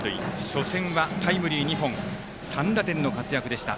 初戦はタイムリー２本３打点の活躍でした。